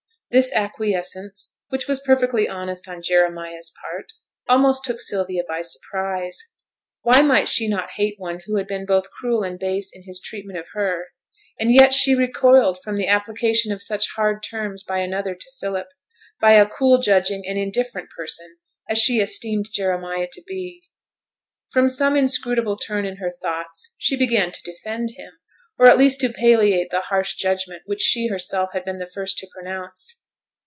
This acquiescence, which was perfectly honest on Jeremiah's part, almost took Sylvia by surprise. Why might she not hate one who had been both cruel and base in his treatment of her? And yet she recoiled from the application of such hard terms by another to Philip, by a cool judging and indifferent person, as she esteemed Jeremiah to be. From some inscrutable turn in her thoughts, she began to defend him, or at least to palliate the harsh judgment which she herself had been the first to pronounce.